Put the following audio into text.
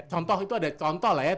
contoh itu ada contoh lah ya